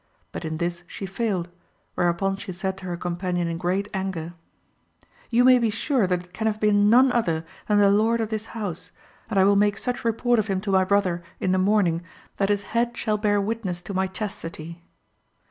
But in this she failed, whereupon she said to her companion in great anger "You may be sure that it can have been none other than the lord of this house, and I will make such report of him to my brother in the morning that his head shall bear witness to my chastity."